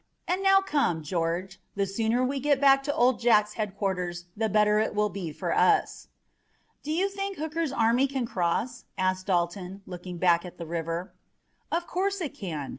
"And now come, George, the sooner we get back to Old Jack's headquarters the better it will be for us." "Do you think Hooker's army can cross?" asked Dalton, looking at the black river. "Of course it can.